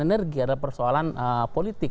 energi adalah persoalan politik